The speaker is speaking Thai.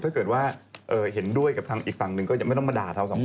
ถ้าเกิดว่าเห็นด้วยกับทางอีกฝั่งหนึ่งก็ยังไม่ต้องมาด่าเราสองคน